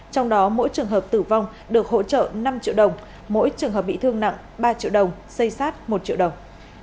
trong đó mỗi trường hợp tử vong được hỗ trợ năm triệu đồng mỗi trường hợp bị thương nặng ba triệu đồng xây sát một triệu đồng